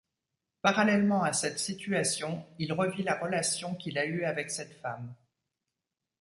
Parallèlement à cette situation il revit la relation qu’il a eue avec cette femme.